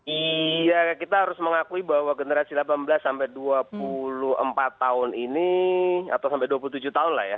iya kita harus mengakui bahwa generasi delapan belas sampai dua puluh empat tahun ini atau sampai dua puluh tujuh tahun lah ya